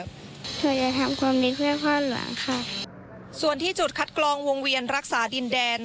ผมจะทำความนี้เพื่อพ่อหลวงค่ะส่วนที่จุดคัดกรองวงเวียนรักษาดินแดน